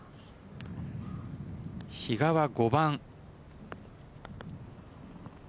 比嘉は５番。